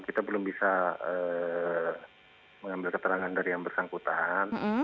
kita belum bisa mengambil keterangan dari yang bersangkutan